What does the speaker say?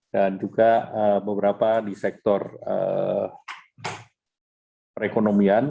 dan juga beberapa di sektor perekonomian